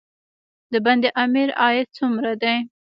د بند امیر عاید څومره دی؟